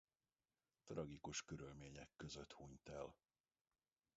Tragikus körülmények között hunyt el.